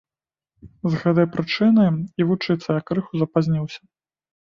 З гэтай прычыны і вучыцца я крыху запазніўся.